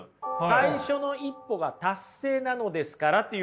「最初の一歩が達成なのですから」っていうところです。